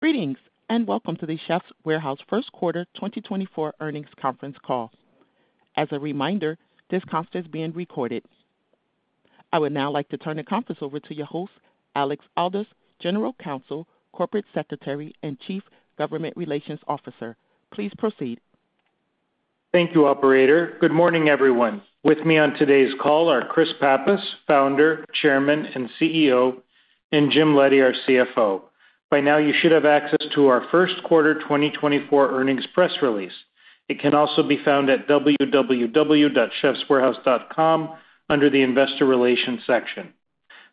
Greetings and welcome to The Chefs' Warehouse first quarter 2024 earnings conference call. As a reminder, this conference is being recorded. I would now like to turn the conference over to your host, Alex Aldous, General Counsel, Corporate Secretary, and Chief Government Relations Officer. Please proceed. Thank you, Operator. Good morning, everyone. With me on today's call are Chris Pappas, Founder, Chairman, and CEO, and Jim Leddy, our CFO. By now, you should have access to our first quarter 2024 earnings press release. It can also be found at www.chefswarehouse.com under the Investor Relations section.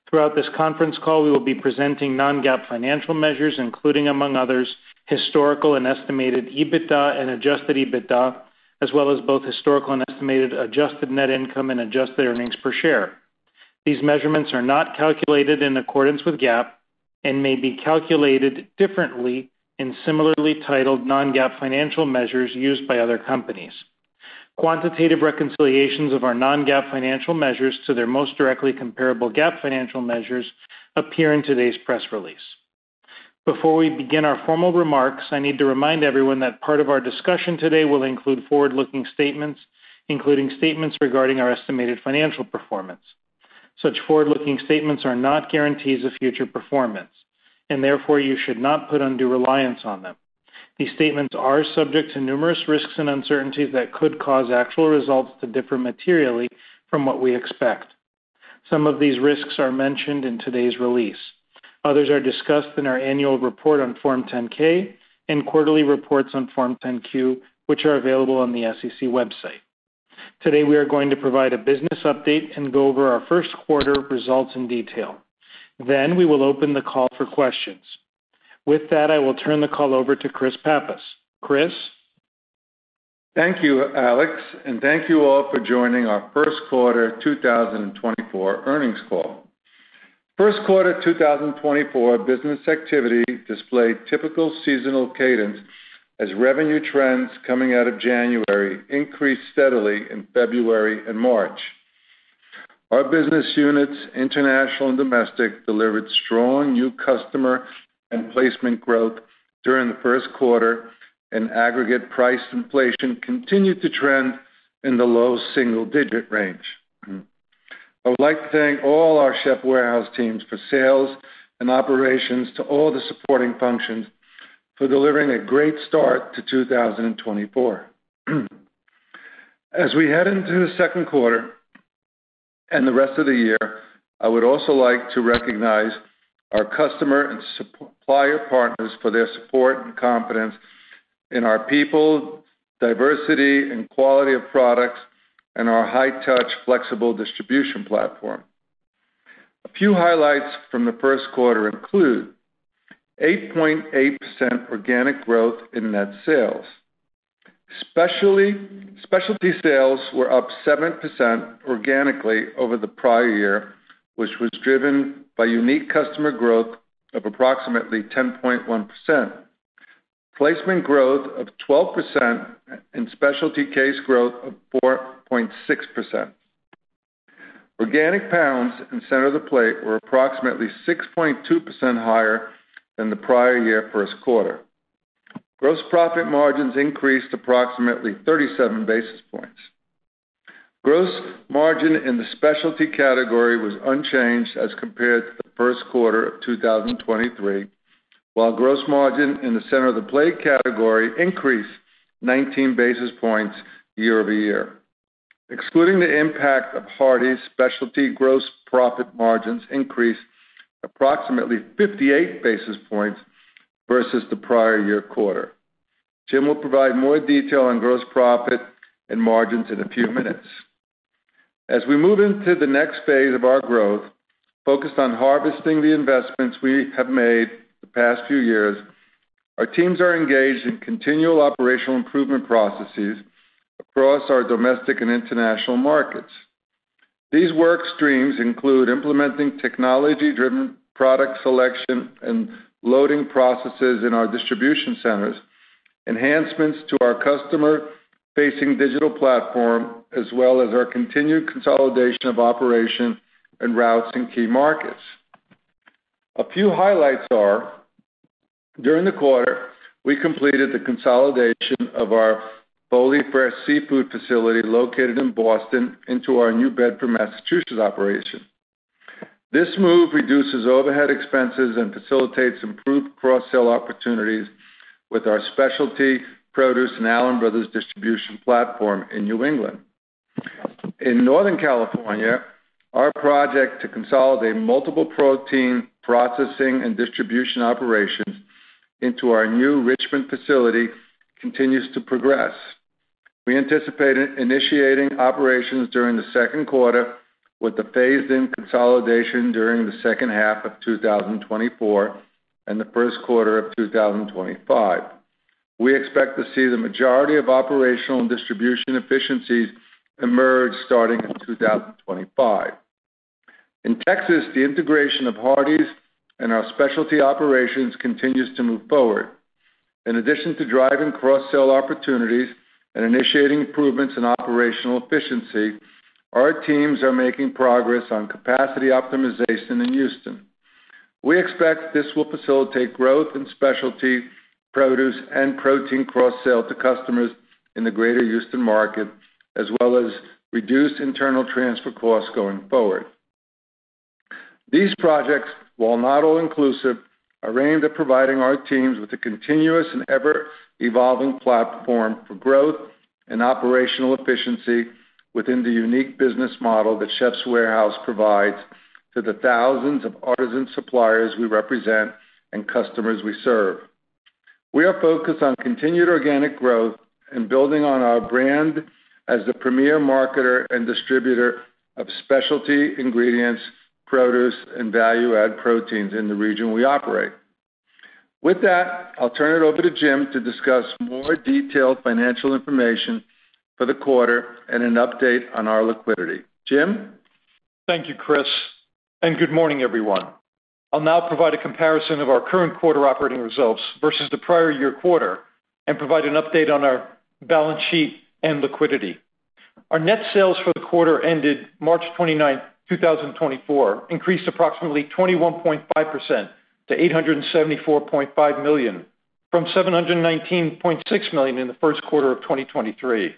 Throughout this conference call, we will be presenting non-GAAP financial measures, including, among others, historical and estimated EBITDA and adjusted EBITDA, as well as both historical and estimated adjusted net income and adjusted earnings per share. These measurements are not calculated in accordance with GAAP and may be calculated differently in similarly titled non-GAAP financial measures used by other companies. Quantitative reconciliations of our non-GAAP financial measures to their most directly comparable GAAP financial measures appear in today's press release. Before we begin our formal remarks, I need to remind everyone that part of our discussion today will include forward-looking statements, including statements regarding our estimated financial performance. Such forward-looking statements are not guarantees of future performance, and therefore you should not put undue reliance on them. These statements are subject to numerous risks and uncertainties that could cause actual results to differ materially from what we expect. Some of these risks are mentioned in today's release. Others are discussed in our annual report on Form 10-K and quarterly reports on Form 10-Q, which are available on the SEC website. Today, we are going to provide a business update and go over our first quarter results in detail. Then we will open the call for questions. With that, I will turn the call over to Chris Pappas. Chris? Thank you, Alex, and thank you all for joining our first quarter 2024 earnings call. First Quarter 2024 business activity displayed typical seasonal cadence as revenue trends coming out of January increased steadily in February and March. Our business units, international and domestic, delivered strong new customer and placement growth during the first quarter, and aggregate price inflation continued to trend in the low single-digit range. I would like to thank all our Chefs' Warehouse teams for sales and operations to all the supporting functions for delivering a great start to 2024. As we head into the second quarter and the rest of the year, I would also like to recognize our customer and supplier partners for their support and confidence in our people, diversity, and quality of products, and our high-touch, flexible distribution platform. A few highlights from the first quarter include 8.8% organic growth in net sales. Specialty sales were up 7% organically over the prior year, which was driven by unique customer growth of approximately 10.1%, placement growth of 12%, and specialty case growth of 4.6%. Organic pounds in center of the plate were approximately 6.2% higher than the prior year first quarter. Gross profit margins increased approximately 37 basis points. Gross margin in the specialty category was unchanged as compared to the first quarter of 2023, while gross margin in the center of the plate category increased 19 basis points year-over-year. Excluding the impact of Hardie's, specialty gross profit margins increased approximately 58 basis points versus the prior year quarter. Jim will provide more detail on gross profit and margins in a few minutes. As we move into the next phase of our growth, focused on harvesting the investments we have made the past few years, our teams are engaged in continual operational improvement processes across our domestic and international markets. These work streams include implementing technology-driven product selection and loading processes in our distribution centers, enhancements to our customer-facing digital platform, as well as our continued consolidation of operation and routes in key markets. A few highlights are: During the quarter, we completed the consolidation of our Foley Fish facility located in Boston into our New Bedford, Massachusetts operation. This move reduces overhead expenses and facilitates improved cross-sale opportunities with our specialty produce and Allen Brothers distribution platform in New England. In Northern California, our project to consolidate multiple protein processing and distribution operations into our new Richmond facility continues to progress. We anticipate initiating operations during the second quarter with a phased-in consolidation during the second half of 2024 and the first quarter of 2025. We expect to see the majority of operational and distribution efficiencies emerge starting in 2025. In Texas, the integration of Hardie's and our specialty operations continues to move forward. In addition to driving cross-sale opportunities and initiating improvements in operational efficiency, our teams are making progress on capacity optimization in Houston. We expect this will facilitate growth in specialty produce and protein cross-sale to customers in the greater Houston market, as well as reduced internal transfer costs going forward. These projects, while not all inclusive, are aimed at providing our teams with a continuous and ever-evolving platform for growth and operational efficiency within the unique business model that Chefs' Warehouse provides to the thousands of artisan suppliers we represent and customers we serve. We are focused on continued organic growth and building on our brand as the premier marketer and distributor of specialty ingredients, produce, and value-add proteins in the region we operate. With that, I'll turn it over to Jim to discuss more detailed financial information for the quarter and an update on our liquidity. Jim? Thank you, Chris, and good morning, everyone. I'll now provide a comparison of our current quarter operating results versus the prior year quarter and provide an update on our balance sheet and liquidity. Our net sales for the quarter ended March 29th, 2024, increased approximately 21.5% to $874.5 million from $719.6 million in the first quarter of 2023.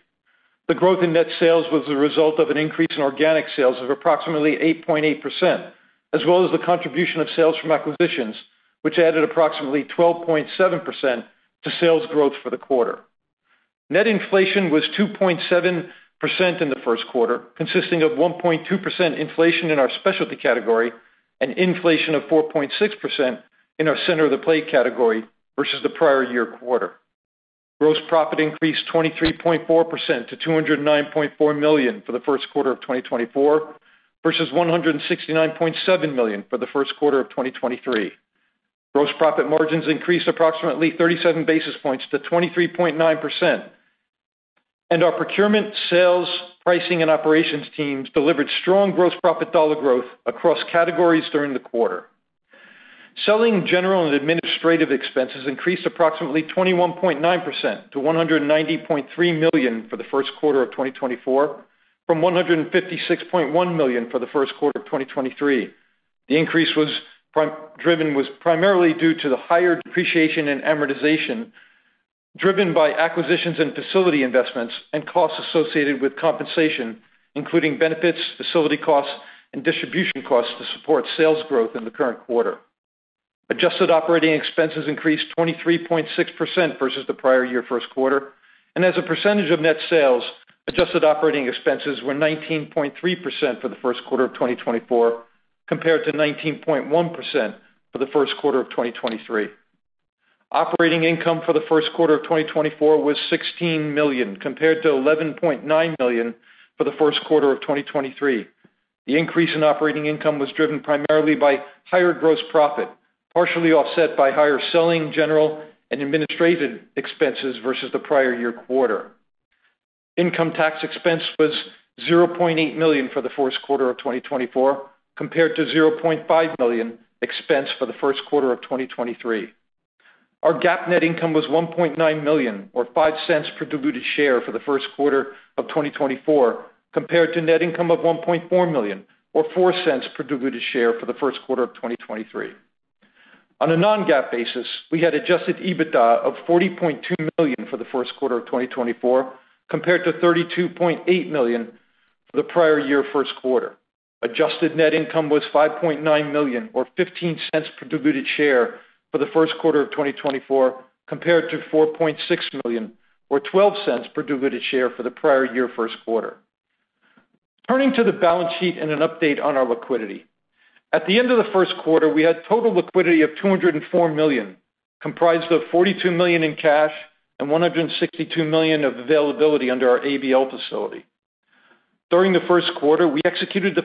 The growth in net sales was the result of an increase in organic sales of approximately 8.8%, as well as the contribution of sales from acquisitions, which added approximately 12.7% to sales growth for the quarter. Net inflation was 2.7% in the first quarter, consisting of 1.2% inflation in our specialty category and inflation of 4.6% in our center of the plate category versus the prior year quarter. Gross profit increased 23.4% to $209.4 million for the first quarter of 2024 versus $169.7 million for the first quarter of 2023. Gross profit margins increased approximately 37 basis points to 23.9%, and our procurement, sales, pricing, and operations teams delivered strong gross profit dollar growth across categories during the quarter. Selling, general, and administrative expenses increased approximately 21.9% to $190.3 million for the first quarter of 2024 from $156.1 million for the first quarter of 2023. The increase was primarily due to the higher depreciation and amortization driven by acquisitions and facility investments and costs associated with compensation, including benefits, facility costs, and distribution costs to support sales growth in the current quarter. Adjusted operating expenses increased 23.6% versus the prior year first quarter, and as a percentage of net sales, adjusted operating expenses were 19.3% for the first quarter of 2024 compared to 19.1% for the first quarter of 2023. Operating income for the first quarter of 2024 was $16 million compared to $11.9 million for the first quarter of 2023. The increase in operating income was driven primarily by higher gross profit, partially offset by higher selling, general, and administrative expenses versus the prior year quarter. Income tax expense was $0.8 million for the first quarter of 2024 compared to $0.5 million expense for the first quarter of 2023. Our GAAP net income was $1.9 million or $0.05 per diluted share for the first quarter of 2024 compared to net income of $1.4 million or $0.04 per diluted share for the first quarter of 2023. On a non-GAAP basis, we had adjusted EBITDA of $40.2 million for the first quarter of 2024 compared to $32.8 million for the prior year first quarter. Adjusted net income was $5.9 million or $0.15 per diluted share for the first quarter of 2024 compared to $4.6 million or $0.12 per diluted share for the prior year first quarter. Turning to the balance sheet and an update on our liquidity. At the end of the first quarter, we had total liquidity of $204 million, comprised of $42 million in cash and $162 million of availability under our ABL facility. During the first quarter, we executed the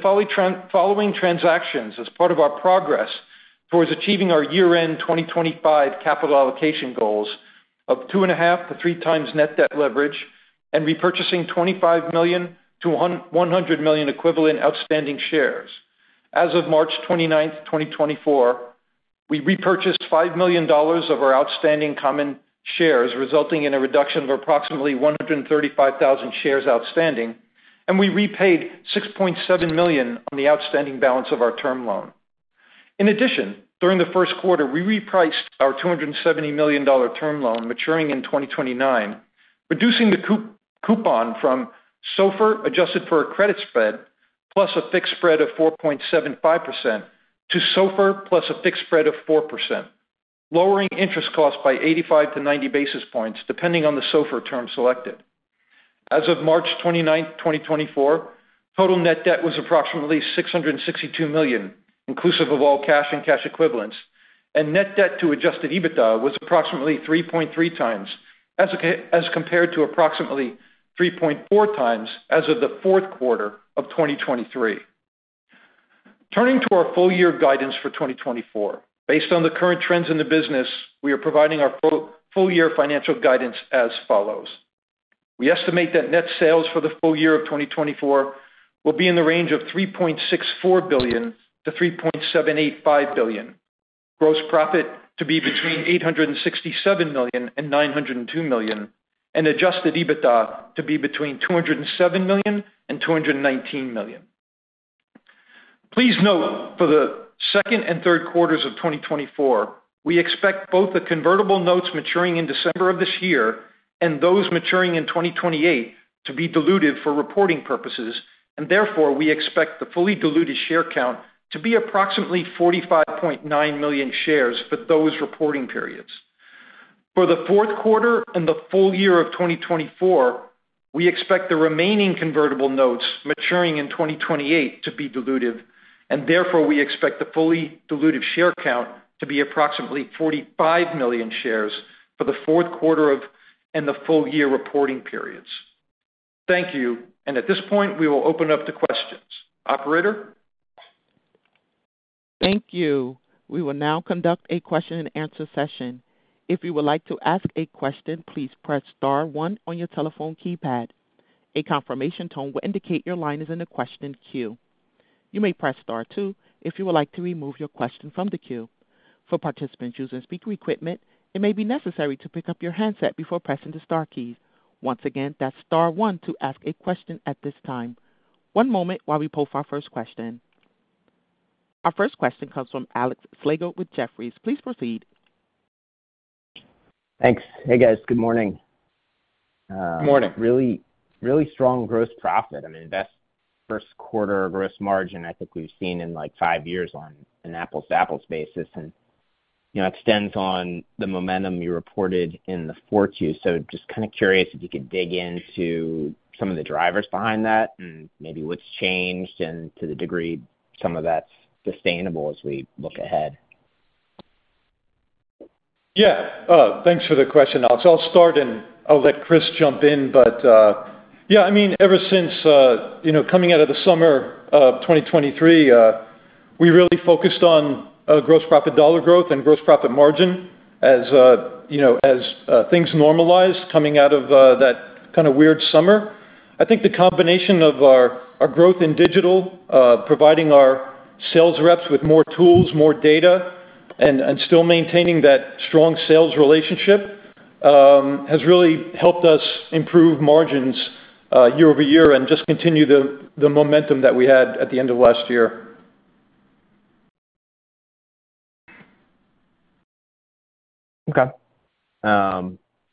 following transactions as part of our progress towards achieving our year-end 2025 capital allocation goals of 2.5-3 times net debt leverage and repurchasing $25 million-$100 million equivalent outstanding shares. As of March 29th, 2024, we repurchased $5 million of our outstanding common shares, resulting in a reduction of approximately 135,000 shares outstanding, and we repaid $6.7 million on the outstanding balance of our term loan. In addition, during the first quarter, we repriced our $270 million term loan maturing in 2029, reducing the coupon from SOFR adjusted for a credit spread plus a fixed spread of 4.75% to SOFR plus a fixed spread of 4%, lowering interest costs by 85-90 basis points depending on the SOFR term selected. As of March 29th, 2024, total net debt was approximately $662 million inclusive of all cash and cash equivalents, and net debt to adjusted EBITDA was approximately 3.3x as compared to approximately 3.4 times as of the fourth quarter of 2023. Turning to our full-year guidance for 2024. Based on the current trends in the business, we are providing our full-year financial guidance as follows. We estimate that net sales for the full year of 2024 will be in the range of $3.64 billion-$3.785 billion, gross profit to be between $867 million-$902 million, and adjusted EBITDA to be between $207 million-$219 million. Please note, for the second and third quarters of 2024, we expect both the convertible notes maturing in December of this year and those maturing in 2028 to be diluted for reporting purposes, and therefore, we expect the fully diluted share count to be approximately 45.9 million shares for those reporting periods. For the fourth quarter and the full year of 2024, we expect the remaining convertible notes maturing in 2028 to be diluted, and therefore, we expect the fully diluted share count to be approximately 45 million shares for the fourth quarter and the full year reporting periods. Thank you, and at this point, we will open up to questions. Operator? Thank you. We will now conduct a question-and-answer session. If you would like to ask a question, please press star one on your telephone keypad. A confirmation tone will indicate your line is in the question queue. You may press star two if you would like to remove your question from the queue. For participants using speaker equipment, it may be necessary to pick up your handset before pressing the star keys. Once again, that's star one to ask a question at this time. One moment while we pull up our first question. Our first question comes from Alex Slagle with Jefferies. Please proceed. Thanks. Hey, guys. Good morning. Good morning. Really, really strong gross profit. I mean, best first quarter gross margin I think we've seen in like five years on an apples-to-apples basis, and it extends on the momentum you reported in the Q4s. So just kind of curious if you could dig into some of the drivers behind that and maybe what's changed and to the degree some of that's sustainable as we look ahead. Yeah. Thanks for the question, Alex. I'll start and I'll let Chris jump in, but yeah, I mean, ever since coming out of the summer of 2023, we really focused on gross profit dollar growth and gross profit margin as things normalized coming out of that kind of weird summer. I think the combination of our growth in digital, providing our sales reps with more tools, more data, and still maintaining that strong sales relationship has really helped us improve margins year-over-year and just continue the momentum that we had at the end of last year. Okay.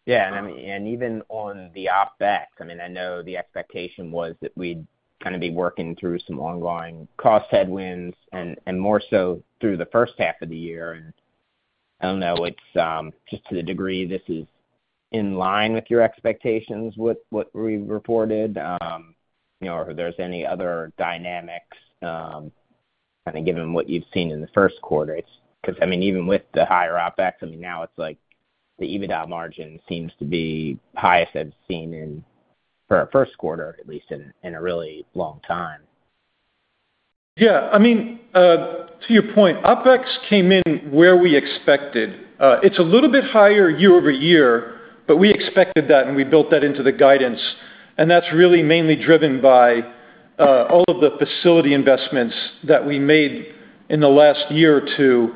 Yeah, and I mean, and even on the OpEx, I mean, I know the expectation was that we'd kind of be working through some ongoing cost headwinds and more so through the first half of the year. I don't know, it's just to the degree this is in line with your expectations, what we reported, or if there's any other dynamics kind of given what you've seen in the first quarter. Because I mean, even with the higher OpEx, I mean, now it's like the EBITDA margin seems to be highest I've seen for our first quarter, at least in a really long time. Yeah. I mean, to your point, OpEx came in where we expected. It's a little bit higher year-over-year, but we expected that, and we built that into the guidance. And that's really mainly driven by all of the facility investments that we made in the last year or two.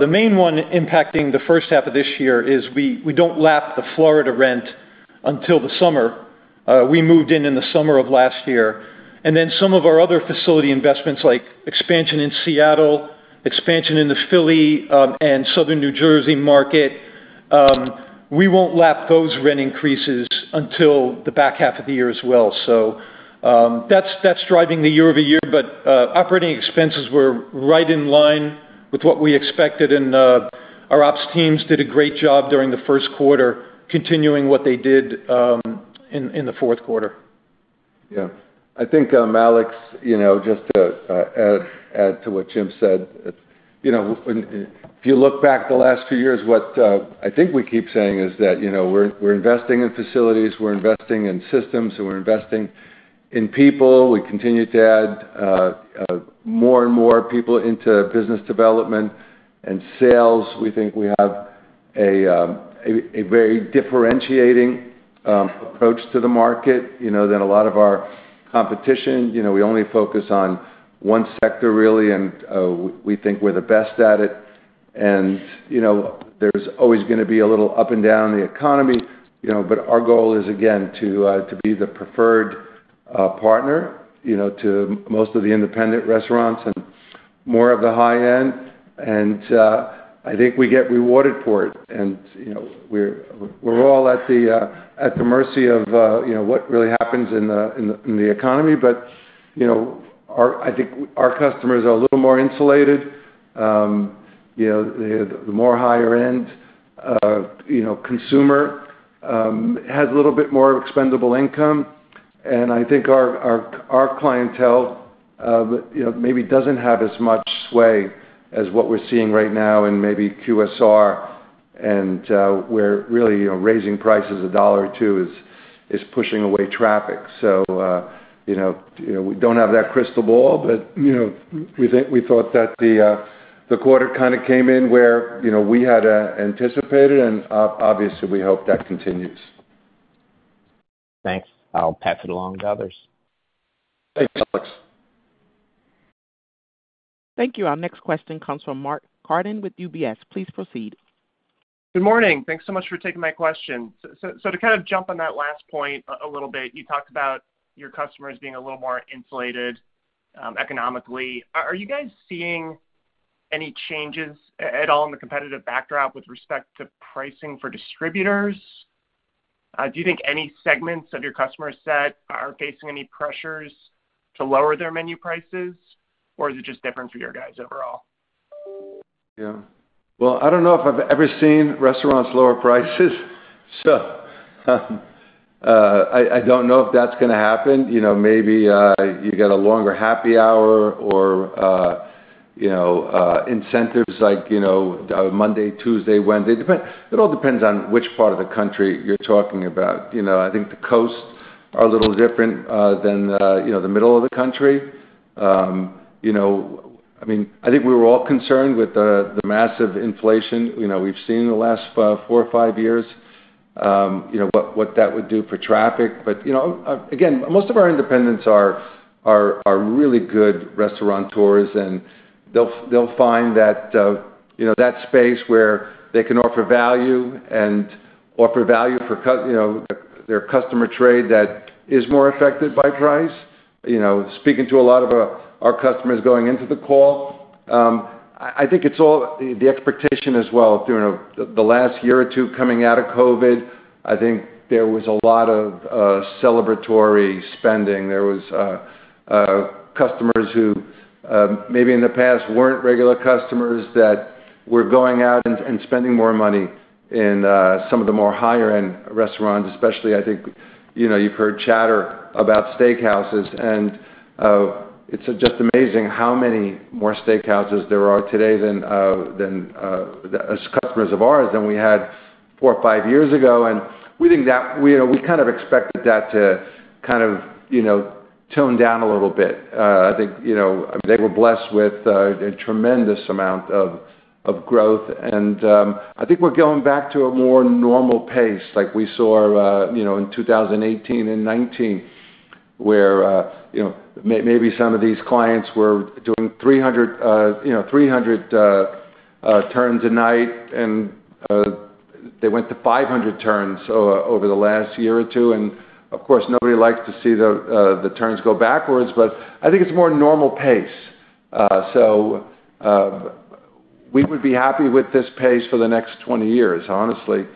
The main one impacting the first half of this year is we don't lap the Florida rent until the summer. We moved in in the summer of last year. And then some of our other facility investments, like expansion in Seattle, expansion in the Philly and southern New Jersey market, we won't lap those rent increases until the back half of the year as well. That's driving the year-over-year, but operating expenses were right in line with what we expected, and our ops teams did a great job during the first quarter continuing what they did in the fourth quarter. Yeah. I think, Alex, just to add to what Jim said, if you look back the last few years, what I think we keep saying is that we're investing in facilities, we're investing in systems, and we're investing in people. We continue to add more and more people into business development. And sales, we think we have a very differentiating approach to the market than a lot of our competition. We only focus on one sector, really, and we think we're the best at it. And there's always going to be a little up and down in the economy, but our goal is, again, to be the preferred partner to most of the independent restaurants and more of the high end. And I think we get rewarded for it. We're all at the mercy of what really happens in the economy, but I think our customers are a little more insulated. The more higher-end consumer has a little bit more expendable income. I think our clientele maybe doesn't have as much sway as what we're seeing right now in maybe QSR, and where really raising prices a dollar or two is pushing away traffic. We don't have that crystal ball, but we thought that the quarter kind of came in where we had anticipated, and obviously, we hope that continues. Thanks. I'll pass it along to others. Thanks, Alex. Thank you. Our next question comes from Mark Carden with UBS. Please proceed. Good morning. Thanks so much for taking my question. So to kind of jump on that last point a little bit, you talked about your customers being a little more insulated economically. Are you guys seeing any changes at all in the competitive backdrop with respect to pricing for distributors? Do you think any segments of your customer set are facing any pressures to lower their menu prices, or is it just different for your guys overall? Yeah. Well, I don't know if I've ever seen restaurants lower prices, so I don't know if that's going to happen. Maybe you got a longer happy hour or incentives like Monday, Tuesday, Wednesday. It all depends on which part of the country you're talking about. I think the coasts are a little different than the middle of the country. I mean, I think we were all concerned with the massive inflation we've seen in the last 4 or 5 years, what that would do for traffic. But again, most of our independents are really good restaurateurs, and they'll find that space where they can offer value and offer value for their customer trade that is more affected by price. Speaking to a lot of our customers going into the call, I think it's all the expectation as well. During the last year or two coming out of COVID, I think there was a lot of celebratory spending. There was customers who maybe in the past weren't regular customers that were going out and spending more money in some of the more higher-end restaurants, especially, I think you've heard chatter about steakhouses. It's just amazing how many more steakhouses there are today than customers of ours than we had 4 or 5 years ago. We think that we kind of expected that to kind of tone down a little bit. I think, I mean, they were blessed with a tremendous amount of growth. I think we're going back to a more normal pace like we saw in 2018 and 2019 where maybe some of these clients were doing 300 turns a night, and they went to 500 turns over the last year or two. Of course, nobody likes to see the turns go backwards, but I think it's a more normal pace. So we would be happy with this pace for the next 20 years, honestly.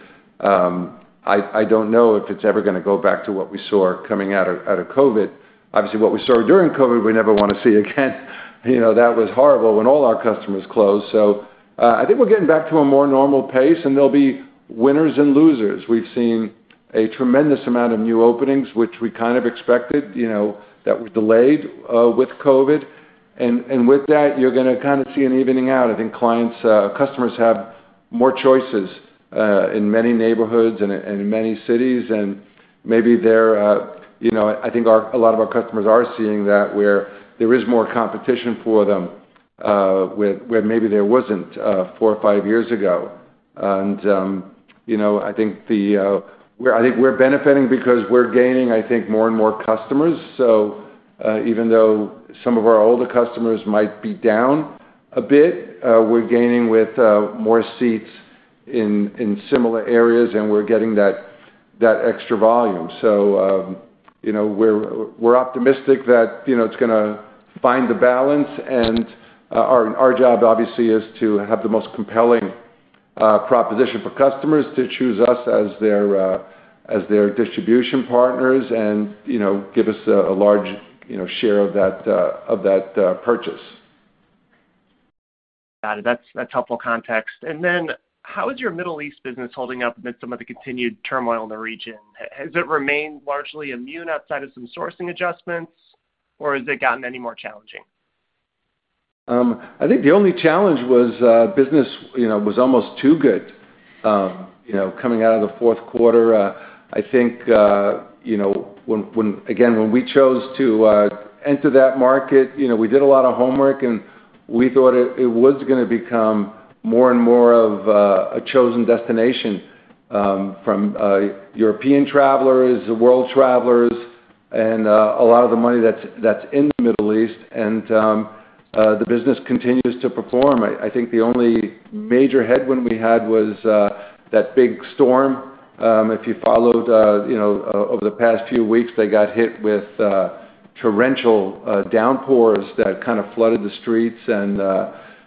I don't know if it's ever going to go back to what we saw coming out of COVID. Obviously, what we saw during COVID, we never want to see again. That was horrible when all our customers closed. So I think we're getting back to a more normal pace, and there'll be winners and losers. We've seen a tremendous amount of new openings, which we kind of expected that were delayed with COVID. With that, you're going to kind of see an evening out. I think customers have more choices in many neighborhoods and in many cities, and maybe they're. I think a lot of our customers are seeing that where there is more competition for them where maybe there wasn't four or five years ago. And I think we're benefiting because we're gaining, I think, more and more customers. So even though some of our older customers might be down a bit, we're gaining with more seats in similar areas, and we're getting that extra volume. So we're optimistic that it's going to find the balance. And our job, obviously, is to have the most compelling proposition for customers to choose us as their distribution partners and give us a large share of that purchase. Got it. That's helpful context. And then how is your Middle East business holding up amidst some of the continued turmoil in the region? Has it remained largely immune outside of some sourcing adjustments, or has it gotten any more challenging? I think the only challenge was business was almost too good coming out of the fourth quarter. I think, again, when we chose to enter that market, we did a lot of homework, and we thought it was going to become more and more of a chosen destination from European travelers, world travelers, and a lot of the money that's in the Middle East. The business continues to perform. I think the only major headwind we had was that big storm. If you followed, over the past few weeks, they got hit with torrential downpours that kind of flooded the streets, and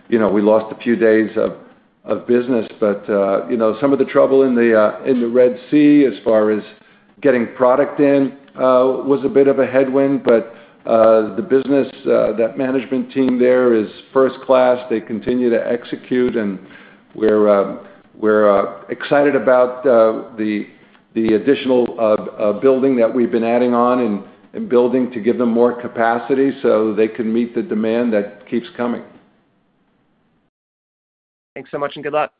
we lost a few days of business. Some of the trouble in the Red Sea as far as getting product in was a bit of a headwind, but the business, that management team there is first-class. They continue to execute, and we're excited about the additional building that we've been adding on and building to give them more capacity so they can meet the demand that keeps coming. Thanks so much and good luck.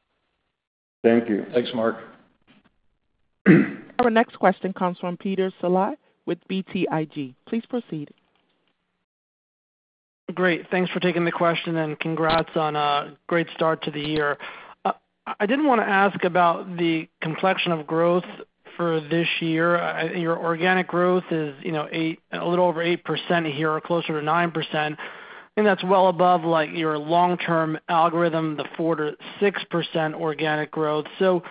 Thank you. Thanks, Mark. Our next question comes from Peter Saleh with BTIG. Please proceed. Great. Thanks for taking the question, and congrats on a great start to the year. I didn't want to ask about the complexion of growth for this year. Your organic growth is a little over 8% here, closer to 9%. I think that's well above your long-term algorithm, the 4%-6% organic growth. So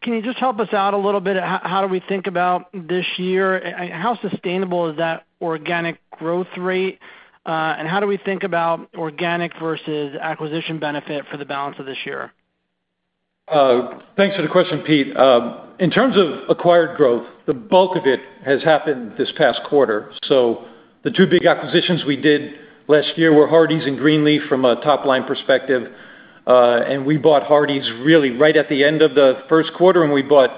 can you just help us out a little bit? How do we think about this year? How sustainable is that organic growth rate, and how do we think about organic versus acquisition benefit for the balance of this year? Thanks for the question, Pete. In terms of acquired growth, the bulk of it has happened this past quarter. So the two big acquisitions we did last year were Hardie's and Greenleaf from a top-line perspective. And we bought Hardie's really right at the end of the first quarter, and we bought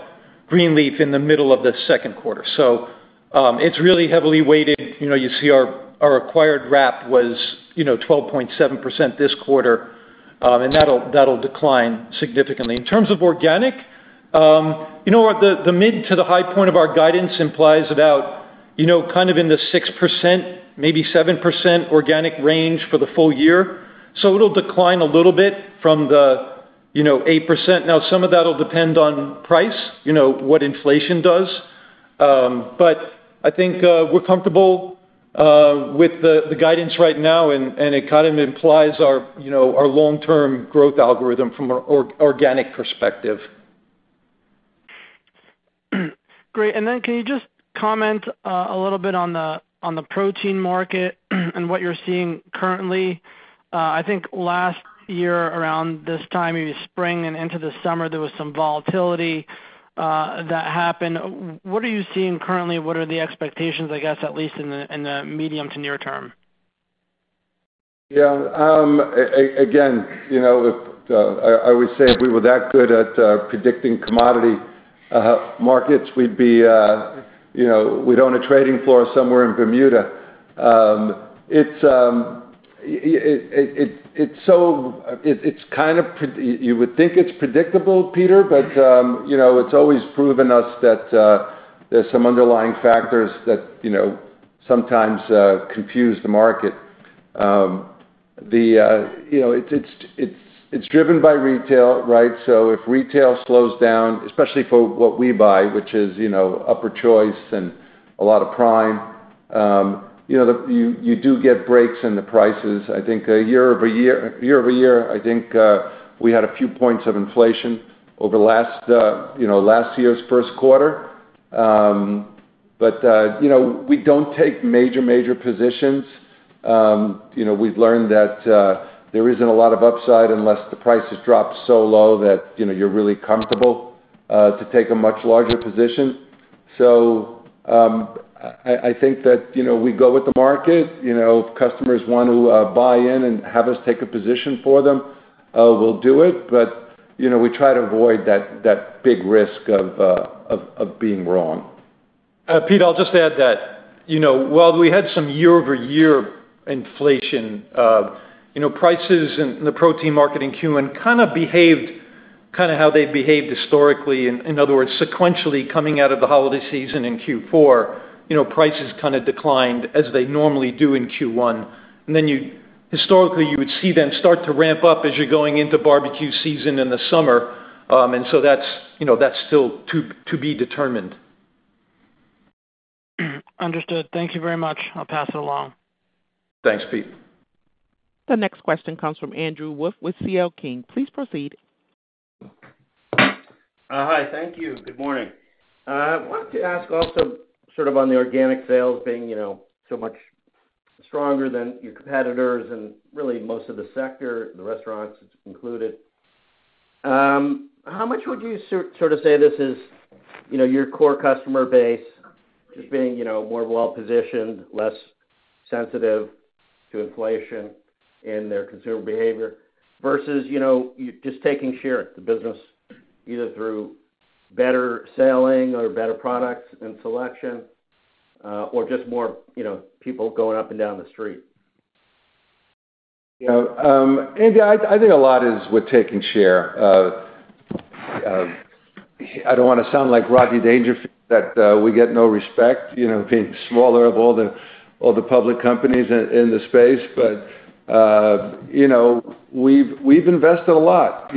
Greenleaf in the middle of the second quarter. So it's really heavily weighted. You see our acquired wrap was 12.7% this quarter, and that'll decline significantly. In terms of organic, the id-to the high point of our guidance implies about kind of in the 6%, maybe 7% organic range for the full year. So it'll decline a little bit from the 8%. Now, some of that'll depend on price, what inflation does. But I think we're comfortable with the guidance right now, and it kind of implies our long-term growth algorithm from an organic perspective. Great. And then can you just comment a little bit on the protein market and what you're seeing currently? I think last year, around this time, maybe spring and into the summer, there was some volatility that happened. What are you seeing currently? What are the expectations, I guess, at least in the medium to near-term? Yeah. Again, I always say if we were that good at predicting commodity markets, we'd own a trading floor somewhere in Bermuda. It's kind of you would think it's predictable, Peter, but it's always proven us that there's some underlying factors that sometimes confuse the market. It's driven by retail, right? So if retail slows down, especially for what we buy, which is Upper Choice and a lot of Prime, you do get breaks in the prices. I think year-over-year, I think we had a few points of inflation over last year's first quarter. But we don't take major, major positions. We've learned that there isn't a lot of upside unless the price has dropped so low that you're really comfortable to take a much larger position. So I think that we go with the market. If customers want to buy in and have us take a position for them, we'll do it. But we try to avoid that big risk of being wrong. Pete, I'll just add that while we had some year-over-year inflation, prices in the protein market in Q1 kind of behaved kind of how they've behaved historically. In other words, sequentially coming out of the holiday season in Q4, prices kind of declined as they normally do in Q1. And then historically, you would see them start to ramp up as you're going into barbecue season in the summer. And so that's still to be determined. Understood. Thank you very much. I'll pass it along. Thanks, Pete. The next question comes from Andrew Wolf with CL King. Please proceed. Hi. Thank you. Good morning. I wanted to ask also sort of on the organic sales being so much stronger than your competitors and really most of the sector, the restaurants included, how much would you sort of say this is your core customer base, just being more well-positioned, less sensitive to inflation in their consumer behavior versus just taking share of the business either through better selling or better products and selection or just more people going up and down the street? Yeah. Andy, I think a lot is with taking share of. I don't want to sound like Rodney Dangerfield that we get no respect being smaller of all the public companies in the space, but we've invested a lot.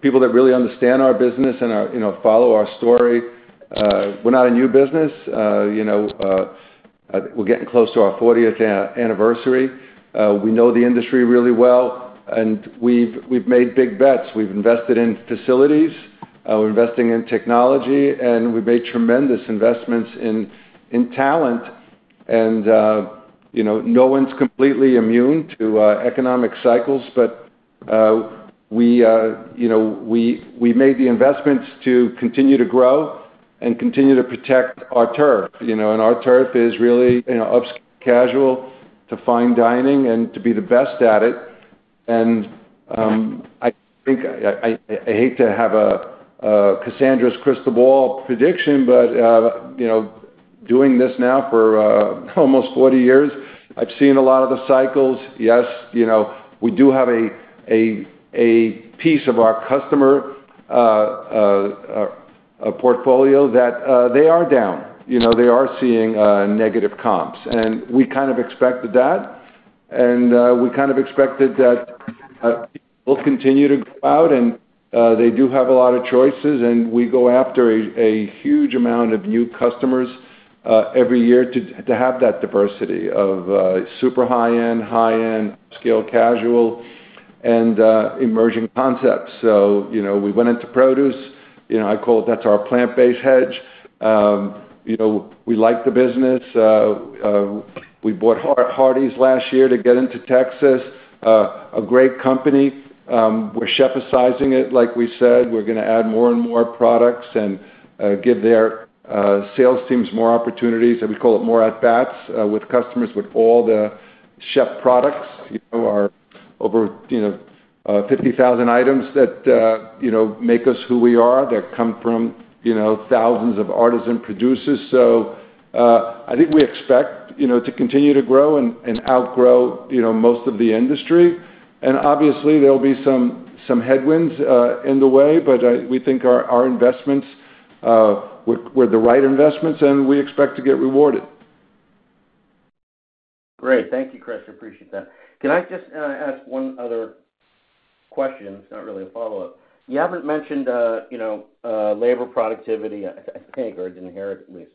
People that really understand our business and follow our story. We're not a new business. We're getting close to our 40th anniversary. We know the industry really well, and we've made big bets. We've invested in facilities. We're investing in technology, and we've made tremendous investments in talent. And no one's completely immune to economic cycles, but we made the investments to continue to grow and continue to protect our turf. And our turf is really upscale, casual, to fine dining, and to be the best at it. I think I hate to have a Cassandra's crystal ball prediction, but doing this now for almost 40 years, I've seen a lot of the cycles. Yes, we do have a piece of our customer portfolio that they are down. They are seeing negative comps. And we kind of expected that. And we kind of expected that people will continue to go out, and they do have a lot of choices. And we go after a huge amount of new customers every year to have that diversity of super high-end, high-end, upscale, casual, and emerging concepts. So we went into produce. I call it that's our plant-based hedge. We like the business. We bought Hardie's last year to get into Texas. A great company. We're stewarding it, like we said. We're going to add more and more products and give their sales teams more opportunities. We call it more at-bats with customers with all the chef products, our over 50,000 items that make us who we are. They come from thousands of artisan producers. So I think we expect to continue to grow and outgrow most of the industry. Obviously, there'll be some headwinds in the way, but we think our investments were the right investments, and we expect to get rewarded. Great. Thank you, Chris. I appreciate that. Can I just ask one other question? It's not really a follow-up. You haven't mentioned labor productivity, I think, or I didn't hear it at least,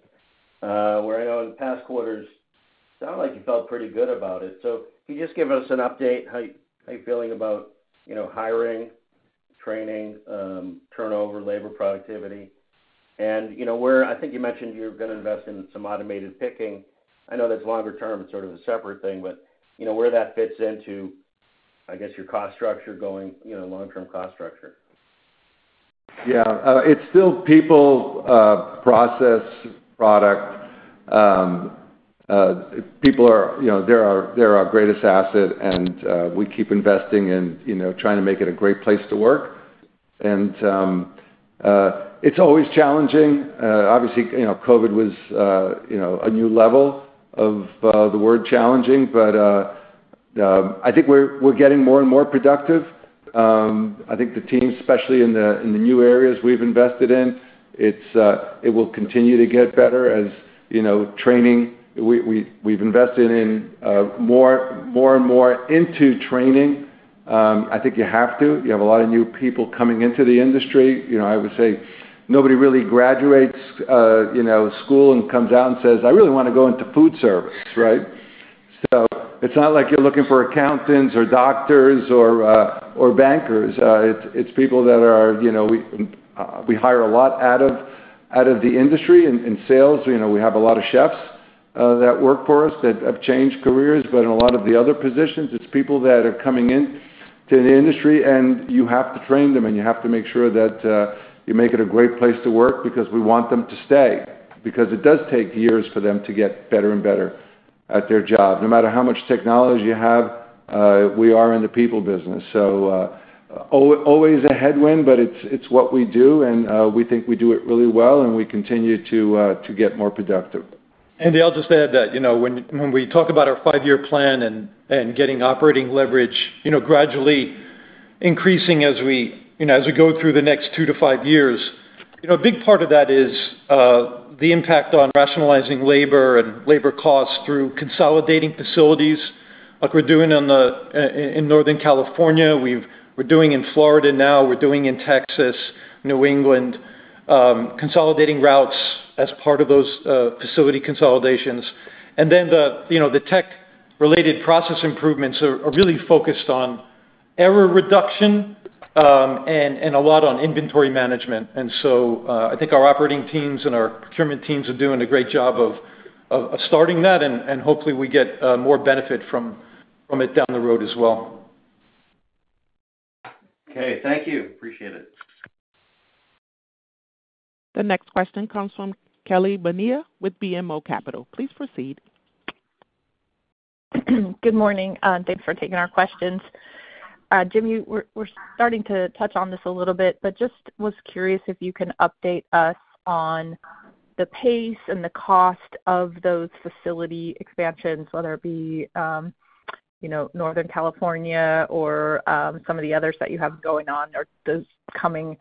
where I know in past quarters, it sounded like you felt pretty good about it. So if you just give us an update, how you're feeling about hiring, training, turnover, labor productivity. And I think you mentioned you're going to invest in some automated picking. I know that's longer term. It's sort of a separate thing, but where that fits into, I guess, your cost structure going, long-term cost structure. Yeah. It's still people, process, product. People are their greatest asset, and we keep investing in trying to make it a great place to work. It's always challenging. Obviously, COVID was a new level of the word challenging, but I think we're getting more and more productive. I think the team, especially in the new areas we've invested in, it will continue to get better as training. We've invested more and more into training. I think you have to. You have a lot of new people coming into the industry. I would say nobody really graduates school and comes out and says, "I really want to go into food service," right? It's not like you're looking for accountants or doctors or bankers. It's people that we hire a lot out of the industry in sales. We have a lot of chefs that work for us that have changed careers. But in a lot of the other positions, it's people that are coming into the industry, and you have to train them, and you have to make sure that you make it a great place to work because we want them to stay because it does take years for them to get better and better at their job. No matter how much technology you have, we are in the people business. So always a headwind, but it's what we do, and we think we do it really well, and we continue to get more productive. Andy, I'll just add that when we talk about our 5-year plan and getting operating leverage gradually increasing as we go through the next 2-5 years, a big part of that is the impact on rationalizing labor and labor costs through consolidating facilities like we're doing in Northern California. We're doing in Florida now. We're doing in Texas, New England, consolidating routes as part of those facility consolidations. And then the tech-related process improvements are really focused on error reduction and a lot on inventory management. And so I think our operating teams and our procurement teams are doing a great job of starting that, and hopefully, we get more benefit from it down the road as well. Okay. Thank you. Appreciate it. The next question comes from Kelly Bania with BMO Capital. Please proceed. Good morning. Thanks for taking our questions. Jimmy, we're starting to touch on this a little bit, but just was curious if you can update us on the pace and the cost of those facility expansions, whether it be Northern California or some of the others that you have going on or those coming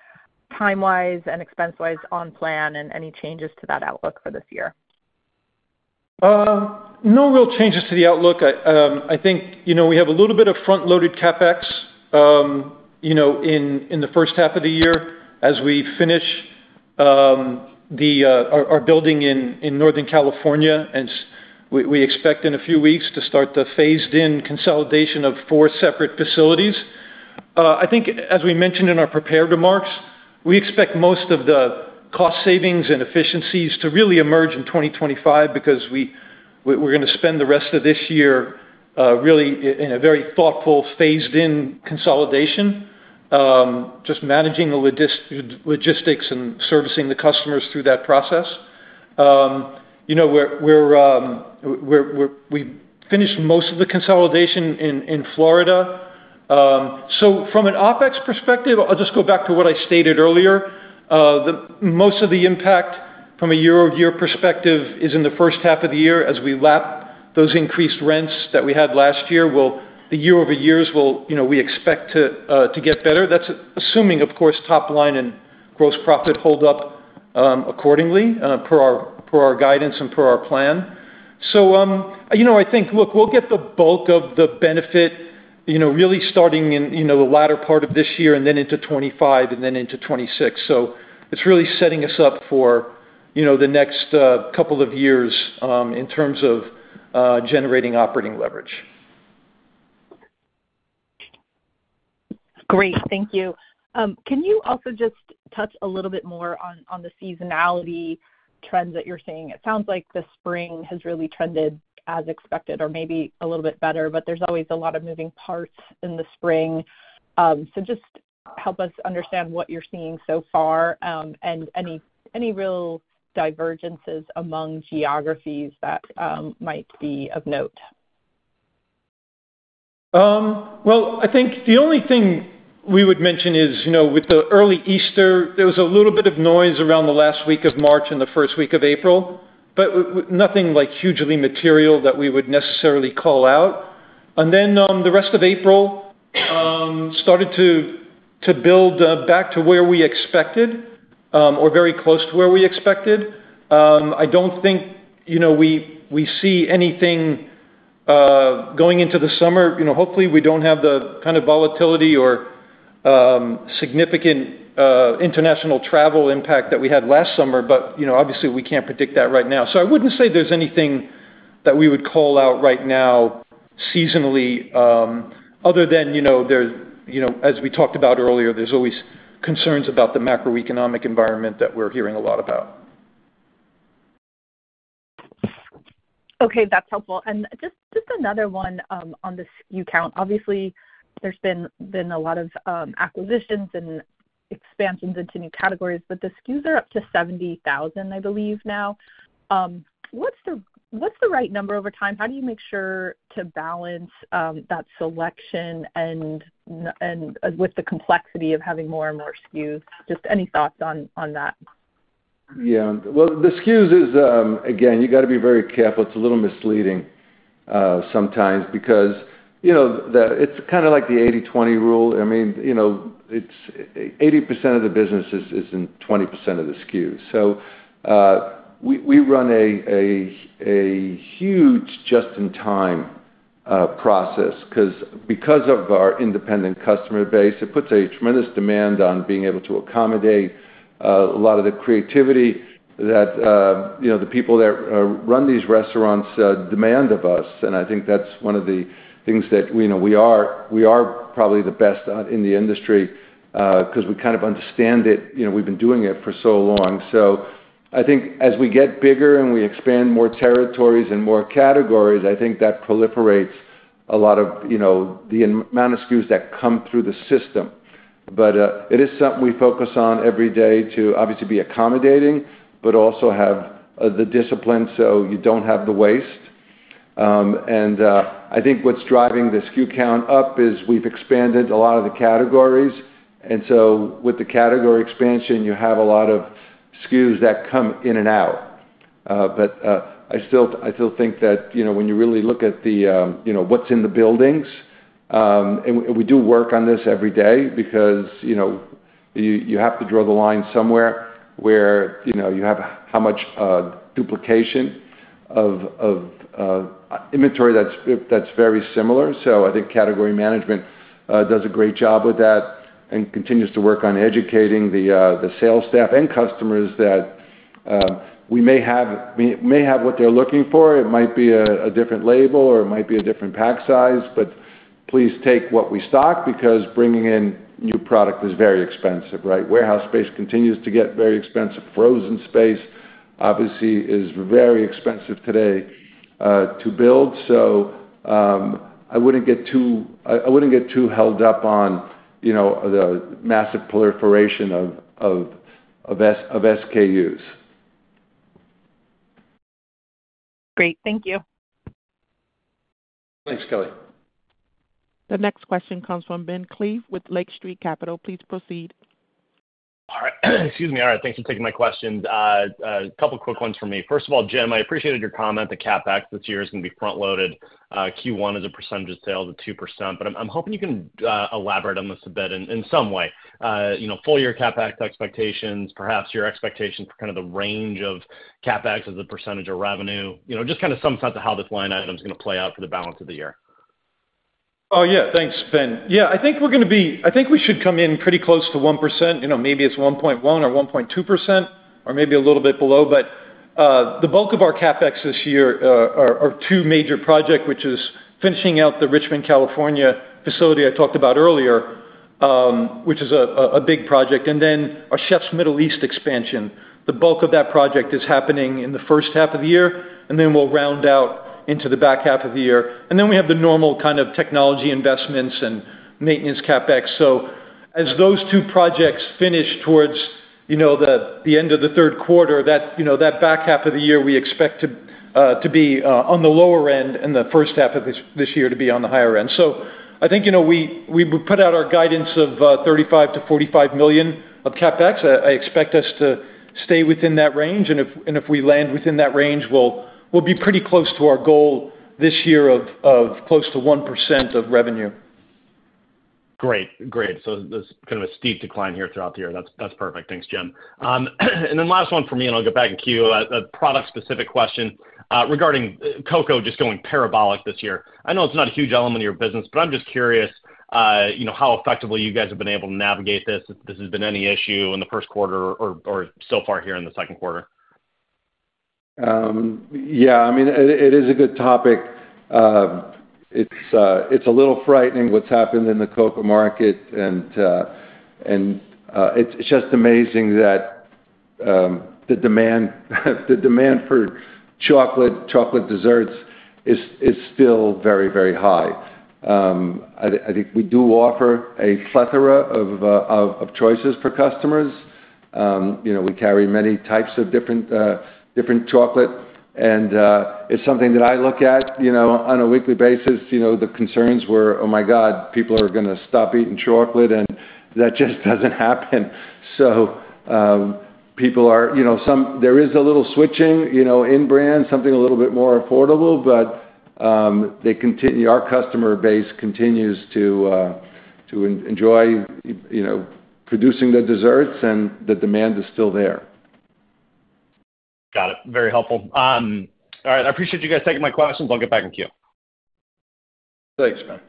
time-wise and expense-wise on plan and any changes to that outlook for this year? No real changes to the outlook. I think we have a little bit of front-loaded CapEx in the first half of the year as we finish our building in Northern California. We expect in a few weeks to start the phased-in consolidation of 4 separate facilities. I think, as we mentioned in our prepared remarks, we expect most of the cost savings and efficiencies to really emerge in 2025 because we're going to spend the rest of this year really in a very thoughtful phased-in consolidation, just managing the logistics and servicing the customers through that process. We've finished most of the consolidation in Florida. From an OpEx perspective, I'll just go back to what I stated earlier. Most of the impact from a year-over-year perspective is in the first half of the year as we lap those increased rents that we had last year. The year-over-year, we expect to get better, assuming, of course, top line and gross profit hold up accordingly per our guidance and per our plan. So I think, look, we'll get the bulk of the benefit really starting in the latter part of this year and then into 2025 and then into 2026. So it's really setting us up for the next couple of years in terms of generating operating leverage. Great. Thank you. Can you also just touch a little bit more on the seasonality trends that you're seeing? It sounds like the spring has really trended as expected or maybe a little bit better, but there's always a lot of moving parts in the spring. So just help us understand what you're seeing so far and any real divergences among geographies that might be of note. Well, I think the only thing we would mention is with the early Easter, there was a little bit of noise around the last week of March and the first week of April, but nothing hugely material that we would necessarily call out. And then the rest of April started to build back to where we expected or very close to where we expected. I don't think we see anything going into the summer. Hopefully, we don't have the kind of volatility or significant international travel impact that we had last summer, but obviously, we can't predict that right now. So I wouldn't say there's anything that we would call out right now seasonally other than there's, as we talked about earlier, there's always concerns about the macroeconomic environment that we're hearing a lot about. Okay. That's helpful. Just another one on the SKU count. Obviously, there's been a lot of acquisitions and expansions into new categories, but the SKUs are up to 70,000, I believe, now. What's the right number over time? How do you make sure to balance that selection with the complexity of having more and more SKUs? Just any thoughts on that? Yeah. Well, the SKUs is, again, you got to be very careful. It's a little misleading sometimes because it's kind of like the 80/20 rule. I mean, 80% of the business is in 20% of the SKUs. So we run a huge just-in-time process because of our independent customer base. It puts a tremendous demand on being able to accommodate a lot of the creativity that the people that run these restaurants demand of us. And I think that's one of the things that we are probably the best in the industry because we kind of understand it. We've been doing it for so long. So I think as we get bigger and we expand more territories and more categories, I think that proliferates a lot of the amount of SKUs that come through the system. But it is something we focus on every day to obviously be accommodating but also have the discipline so you don't have the waste. And I think what's driving the SKU count up is we've expanded a lot of the categories. And so with the category expansion, you have a lot of SKUs that come in and out. But I still think that when you really look at what's in the buildings and we do work on this every day because you have to draw the line somewhere where you have how much duplication of inventory that's very similar. So I think category management does a great job with that and continues to work on educating the sales staff and customers that we may have what they're looking for. It might be a different label, or it might be a different pack size. But please take what we stock because bringing in new product is very expensive, right? Warehouse space continues to get very expensive. Frozen space, obviously, is very expensive today to build. So I wouldn't get too held up on the massive proliferation of SKUs. Great. Thank you. Thanks, Kelly. The next question comes from Ben Klieve with Lake Street. Please proceed. All right. Excuse me. All right. Thanks for taking my questions. A couple of quick ones from me. First of all, Jim, I appreciated your comment. The CapEx this year is going to be front-loaded. Q1 is a percentage of sales of 2%. But I'm hoping you can elaborate on this a bit in some way: full-year CapEx expectations, perhaps your expectations for kind of the range of CapEx as a percentage of revenue, just kind of some sense of how this line item is going to play out for the balance of the year. Oh, yeah. Thanks, Ben. Yeah. I think we should come in pretty close to 1%. Maybe it's 1.1% or 1.2% or maybe a little bit below. But the bulk of our CapEx this year are two major projects, which is finishing out the Richmond, California facility I talked about earlier, which is a big project, and then our Chef Middle East expansion. The bulk of that project is happening in the first half of the year, and then we'll round out into the back half of the year. And then we have the normal kind of technology investments and maintenance CapEx. So as those two projects finish towards the end of the third quarter, that back half of the year, we expect to be on the lower end and the first half of this year to be on the higher end. I think we put out our guidance of $35 million-$45 million of CapEx. I expect us to stay within that range. If we land within that range, we'll be pretty close to our goal this year of close to 1% of revenue. Great. Great. So there's kind of a steep decline here throughout the year. That's perfect. Thanks, Jim. And then last one for me, and I'll get back in queue. A product-specific question regarding cocoa just going parabolic this year. I know it's not a huge element of your business, but I'm just curious how effectively you guys have been able to navigate this, if this has been any issue in the first quarter or so far here in the second quarter. Yeah. I mean, it is a good topic. It's a little frightening what's happened in the cocoa market. And it's just amazing that the demand for chocolate, chocolate desserts is still very, very high. I think we do offer a plethora of choices for customers. We carry many types of different chocolate. And it's something that I look at on a weekly basis. The concerns were, "Oh my God, people are going to stop eating chocolate." And that just doesn't happen. So there is a little switching in brand, something a little bit more affordable, but our customer base continues to enjoy producing the desserts, and the demand is still there. Got it. Very helpful. All right. I appreciate you guys taking my questions. I'll get back in queue. Thanks, Ben.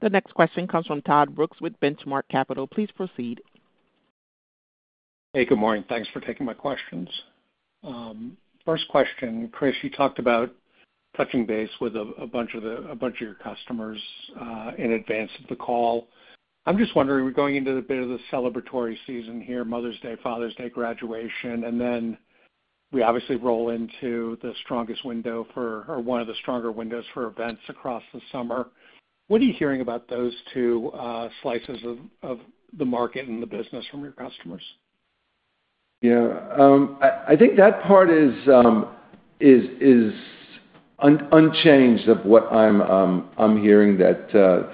The next question comes from Todd Brooks with Benchmark Capital. Please proceed. Hey. Good morning. Thanks for taking my questions. First question, Chris, you talked about touching base with a bunch of your customers in advance of the call. I'm just wondering, we're going into a bit of the celebratory season here, Mother's Day, Father's Day, graduation, and then we obviously roll into the strongest window for or one of the stronger windows for events across the summer. What are you hearing about those two slices of the market and the business from your customers? Yeah. I think that part is unchanged of what I'm hearing, that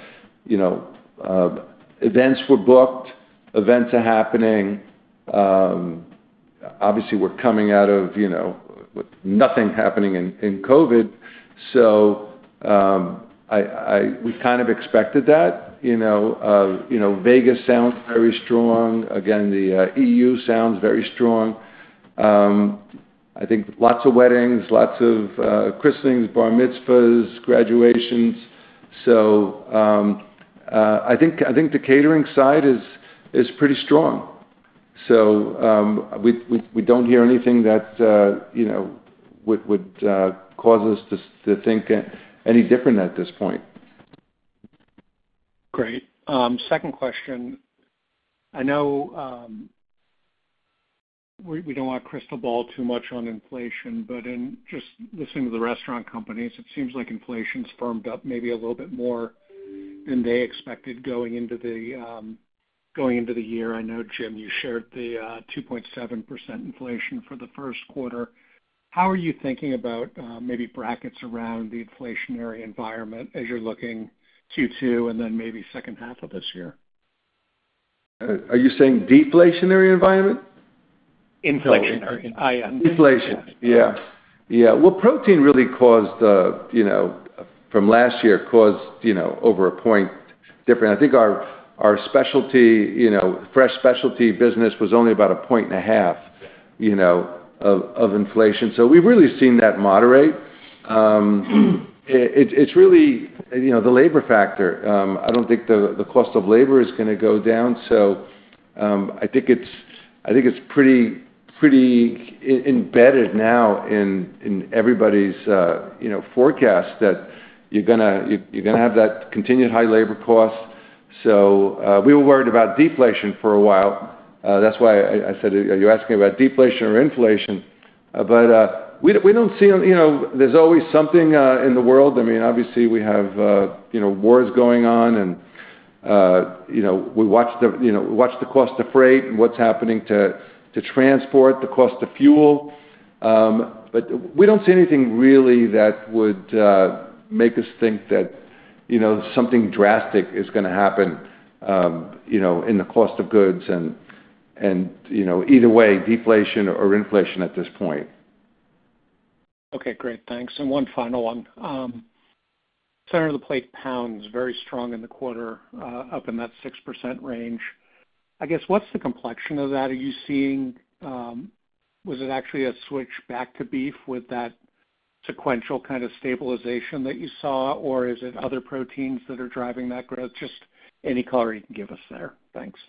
events were booked, events are happening. Obviously, we're coming out of with nothing happening in COVID. So we kind of expected that. Vegas sounds very strong. Again, the EU sounds very strong. I think lots of weddings, lots of christenings, bar mitzvahs, graduations. So I think the catering side is pretty strong. So we don't hear anything that would cause us to think any different at this point. Great. Second question. I know we don't want crystal ball too much on inflation, but in just listening to the restaurant companies, it seems like inflation's firmed up maybe a little bit more than they expected going into the year. I know, Jim, you shared the 2.7% inflation for the first quarter. How are you thinking about maybe brackets around the inflationary environment as you're looking Q2 and then maybe second half of this year? Are you saying deflationary environment? Inflationary. I am. Inflation. Yeah. Yeah. Well, protein really caused from last year caused over a point difference. I think our fresh specialty business was only about a point and a half of inflation. So we've really seen that moderate. It's really the labor factor. I don't think the cost of labor is going to go down. So I think it's pretty embedded now in everybody's forecast that you're going to have that continued high labor cost. So we were worried about deflation for a while. That's why I said, "Are you asking me about deflation or inflation?" But we don't see there's always something in the world. I mean, obviously, we have wars going on, and we watch the cost of freight and what's happening to transport, the cost of fuel. We don't see anything really that would make us think that something drastic is going to happen in the cost of goods. Either way, deflation or inflation at this point. Okay. Great. Thanks. And one final one. Center-of-the-plate pounds, very strong in the quarter, up in that 6% range. I guess, what's the complexion of that? Are you seeing was it actually a switch back to beef with that sequential kind of stabilization that you saw, or is it other proteins that are driving that growth? Just any color you can give us there. Thanks.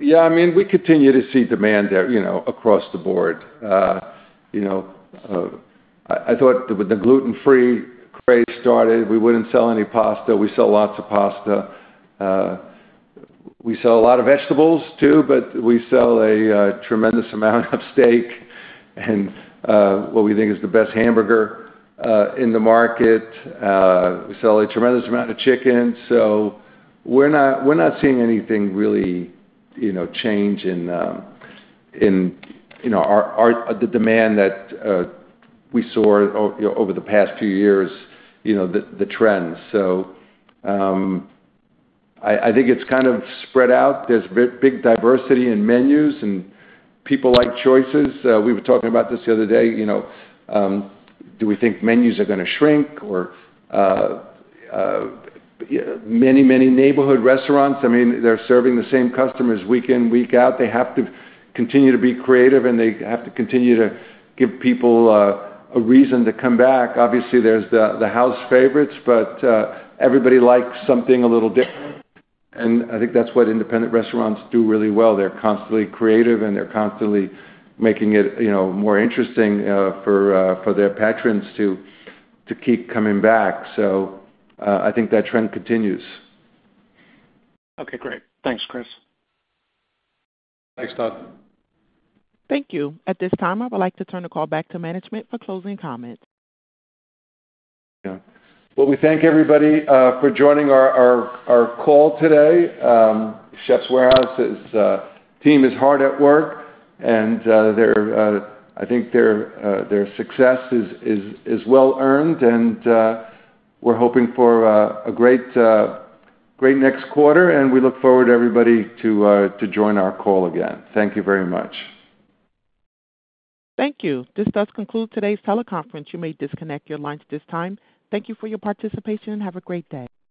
Yeah. I mean, we continue to see demand there across the board. I thought with the gluten-free craze started, we wouldn't sell any pasta. We sell lots of pasta. We sell a lot of vegetables too, but we sell a tremendous amount of steak and what we think is the best hamburger in the market. We sell a tremendous amount of chicken. So we're not seeing anything really change in the demand that we saw over the past few years, the trends. So I think it's kind of spread out. There's big diversity in menus and people like choices. We were talking about this the other day. Do we think menus are going to shrink, or? Many, many neighborhood restaurants, I mean, they're serving the same customers week in, week out. They have to continue to be creative, and they have to continue to give people a reason to come back. Obviously, there's the house favorites, but everybody likes something a little different. I think that's what independent restaurants do really well. They're constantly creative, and they're constantly making it more interesting for their patrons to keep coming back. I think that trend continues. Okay. Great. Thanks, Chris. Thanks, Todd. Thank you. At this time, I would like to turn the call back to management for closing comments. Yeah. Well, we thank everybody for joining our call today. Chefs' Warehouse team is hard at work, and I think their success is well-earned. We're hoping for a great next quarter, and we look forward, everybody, to join our call again. Thank you very much. Thank you. This does conclude today's teleconference. You may disconnect your lines at this time. Thank you for your participation, and have a great day.